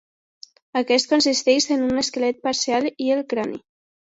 Aquest consisteix en un esquelet parcial i el crani.